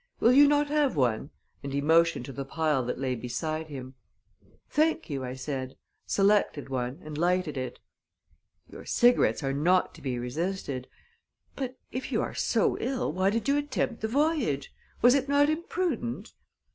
Will you not have one?" and he motioned to the pile that lay beside him. "Thank you," I said, selected one, and lighted it. "Your cigarettes are not to be resisted. But if you are so ill, why did you attempt the voyage? Was it not imprudent?"